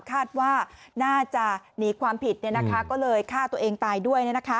คาดว่าน่าจะหนีความผิดก็เลยฆ่าตัวเองตายด้วย